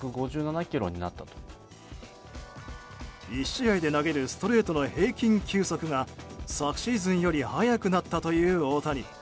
１試合で投げるストレートの平均球速が昨シーズンより速くなったという大谷。